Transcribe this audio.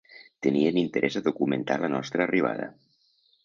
Tenien interès a documentar la nostra arribada.